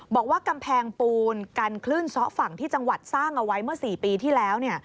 บอกว่ากำแพงปูนกันคลื่นซ้อฝั่งที่จังหวัดสร้างเอาไว้เมื่อ๔ปีที่แล้ว